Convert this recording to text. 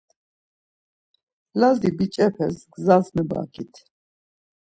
Lazi biç̌epes gzas mebagit.